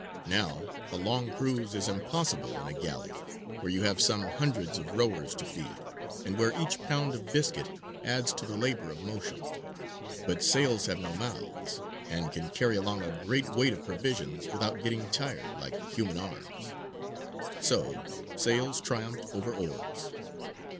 Now a long cruise is impossible in a galley, where you have some hundreds of rowers to feed, and where each pound of biscuit adds to the labour of motion; but sails have no mouths, and can carry along a great weight of provisions without getting tired, like human arms. So sails triumphed over oars.